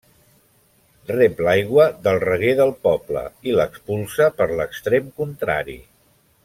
Rep l'aigua del reguer del poble i l'expulsa per l'extrem contrari.